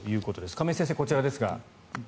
亀井先生、こちらですが。